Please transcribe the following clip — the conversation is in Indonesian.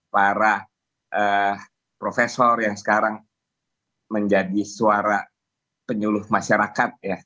para profesor yang sekarang menjadi suara penyuluh masyarakat ya